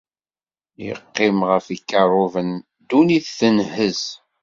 Iqqim ɣef yikerruben, ddunit tenhezz.